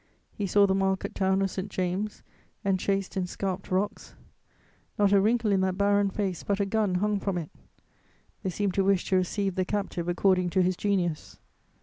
He saw the market town of St. James enchased in scarped rocks; not a wrinkle in that barren face but a gun hung from it: they seemed to wish to receive the captive according to his genius.